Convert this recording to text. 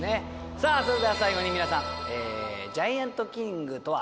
さあそれでは最後に皆さんジャイアントキリングとは何か。